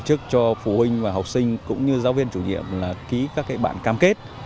tổ chức cho phụ huynh và học sinh cũng như giáo viên chủ nhiệm là ký các bạn cam kết